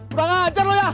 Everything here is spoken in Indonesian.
kurang ngajar lu ya